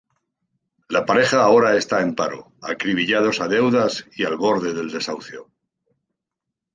La pareja ahora está en paro, acribillados a deudas, y al borde del desahucio.